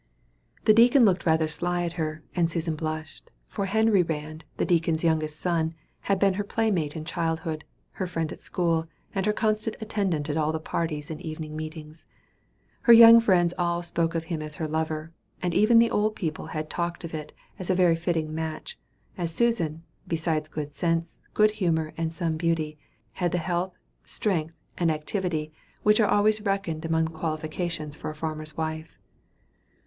The deacon looked rather sly at her, and Susan blushed; for Henry Rand, the deacon's youngest son, had been her playmate in childhood, her friend at school, and her constant attendant at all the parties and evening meetings. Her young friends all spoke of him as her lover, and even the old people had talked of it as a very fitting match, as Susan, besides good sense, good humor, and some beauty, had the health, strength and activity which are always reckoned among the qualifications for a farmer's wife.